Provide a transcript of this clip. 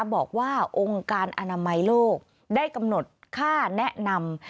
บอกว่าองค์การอนามัยโลกได้กำหนดค่าแนะนำ